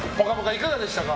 いかがでしたか。